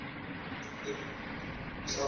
ټول قومونه